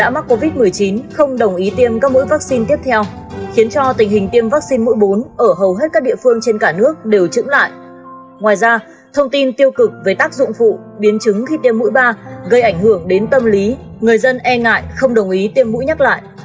mũi bốn ở hầu hết các địa phương trên cả nước đều chững lại ngoài ra thông tin tiêu cực về tác dụng phụ biến chứng khi tiêm mũi ba gây ảnh hưởng đến tâm lý người dân e ngại không đồng ý tiêm mũi nhắc lại